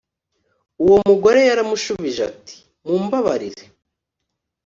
Uwo mugore yaramushubije ati mumbabarire